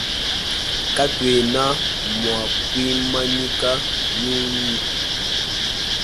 Katuena mua kuimanyika nyunyi.